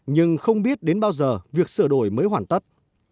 nhưng không biết đến bao giờ việc sửa đổi mới hoàn tất